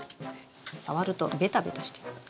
触るとベタベタしてます。